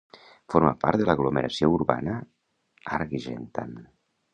Forma part de l'aglomeració urbana d'Argentan.